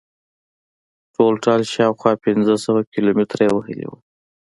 ټولټال شاوخوا پنځه سوه کیلومتره یې وهلې وه.